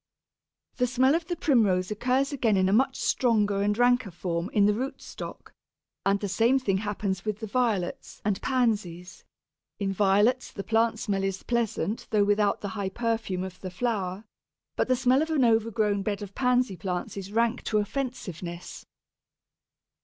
The smell of the Primrose occurs again in a much stronger and ranker form in the root stock, and the same thing happens with the Violets and Pansies; in Violets the plant smell is pleasant, though without the high perfume of the flower; but the smell of an overgrown bed of Pansy plants is rank to offensiveness.